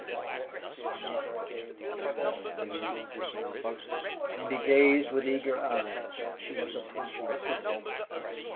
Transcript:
"Lord! I'm in for it!" muttered Neale, dismounting, and he gazed with eager eyes. She was approaching quickly.